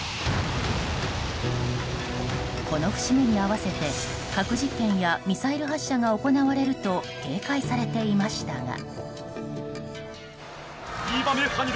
この節目に合わせて核実験やミサイル発射が行われると警戒されていましたが。